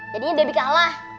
jadinya debi kalah